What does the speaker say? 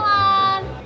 em malu banget